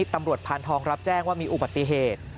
พานทองรับแจ้งว่ามีอุบัติเหตุ